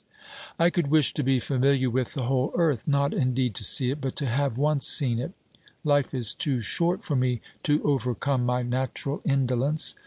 I could wish to be familiar with the whole earth, not indeed to see it, but to have once seen it ; life is too short for me to overcome my natural indolence.